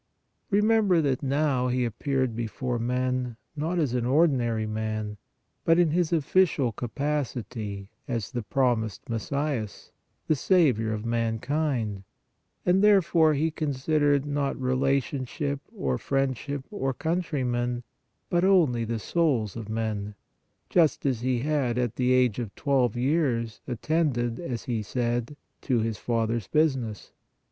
Remember that now He appeared before men, not as an ordinary man, but in His official ca pacity, as the promised Messias, the Saviour of mankind, and therefore He considered not relation ship or friendship or countrymen, but only the souls of men, just as He had at the age of twelve years, attended, as He said, " to His Father s business."